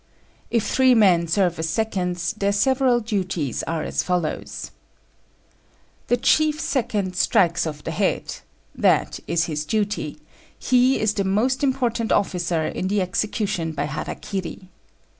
If three men serve as seconds, their several duties are as follows: The chief second strikes off the head; that is his duty: he is the most important officer in the execution by _hara kiri.